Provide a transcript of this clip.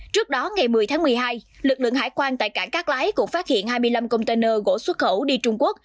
trước đó ngày một mươi tháng một mươi hai lực lượng hải quan tại cảng cát lái cũng phát hiện hai mươi năm container gỗ xuất khẩu đi trung quốc